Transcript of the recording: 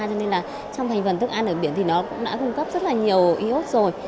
cho nên là trong thành phần thức ăn ở biển thì nó cũng đã cung cấp rất là nhiều iốt rồi